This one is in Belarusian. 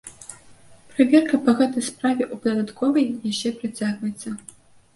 Праверка па гэтай справе ў падатковай яшчэ працягваецца.